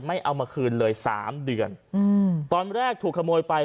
เอามาคืนเลยสามเดือนอืมตอนแรกถูกขโมยไป